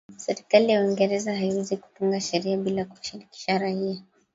Serikali ya Uingereza haiwezi kutunga sheria bila kuwashirikisha raia